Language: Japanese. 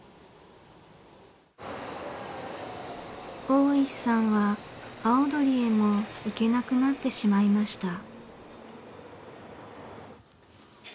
大石さんは葵鳥へも行けなくなってしまいました。